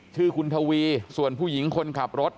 ชื่อคุณทวีส่วนผู้หญิงคนขับรถ